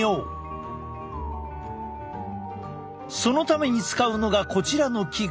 そのために使うのがこちらの器具。